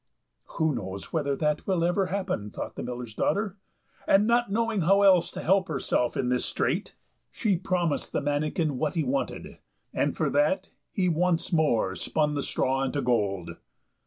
"Who knows whether that will ever happen?" thought the miller's daughter; and, not knowing how else to help herself in this strait, she promised the manikin what he wanted, and for that he once more span the straw into gold.